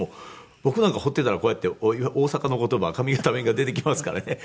僕なんか放っていたらこうやって大阪の言葉上方弁が出てきますからね。